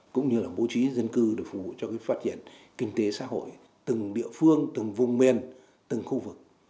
cũng như là bố trí dân cư để phục vụ cho phát triển kinh tế xã hội từng địa phương từng vùng miền từng khu vực